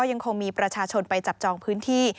ยังคงมีประชาชนไปจับจองพื้นที่